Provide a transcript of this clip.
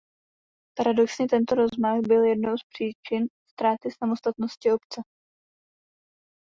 Paradoxně tento rozmach byl jednou z příčin ztráty samostatnosti obce.